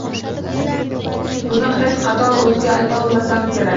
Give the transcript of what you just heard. Buni hech qachon o`ziga ayta olmasam kerak